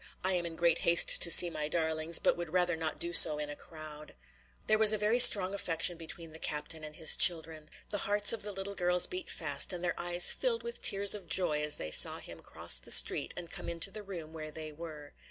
"I am in great haste to see my darlings, but would rather not do so in a crowd." There was a very strong affection between the captain and his children. The hearts of the little girls beat fast, and their eyes filled with tears of joy as they saw him cross the street and come into the room where they were.